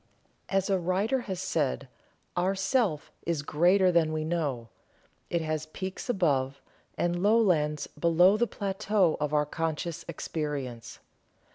As a writer has said "Our Self is greater than we know; it has peaks above, and lowlands below the plateau of our conscious experience."